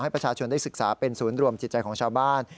ประชาชนได้ศึกษาเป็นศูนย์รวมจิตใจของชาวบ้าน